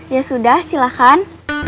ya sudah silakan